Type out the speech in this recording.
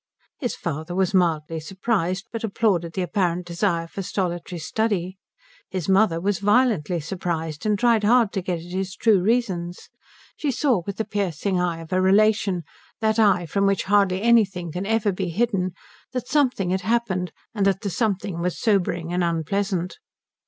His father was mildly surprised, but applauded the apparent desire for solitary study. His mother was violently surprised, and tried hard to get at his true reasons. She saw with the piercing eye of a relation that eye from which hardly anything can ever be hidden that something had happened and that the something was sobering and unpleasant.